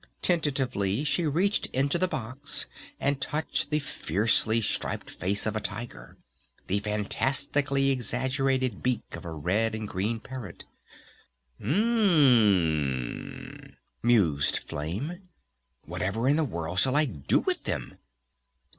Tentatively she reached into the box and touched the fiercely striped face of a tiger, the fantastically exaggerated beak of a red and green parrot. "U m m m," mused Flame. "Whatever in the world shall I do with them?"